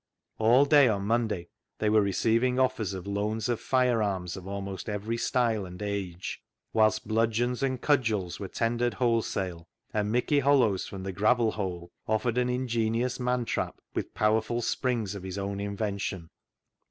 All day on Monday they were receiving offers of loans of firearms of almost every style and age, whilst bludgeons and cudgels were tendered wholesale, and Micky Hollows, from the Gravel Hole, offered an ingenious man trap with powerful springs of his own invention.